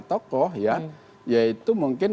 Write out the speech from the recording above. tokoh ya yaitu mungkin